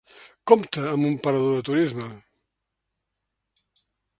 Compte amb un parador de turisme.